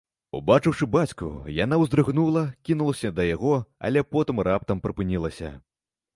Убачыўшы бацьку, яна ўздрыгнула, кінулася да яго, але потым раптам прыпынілася.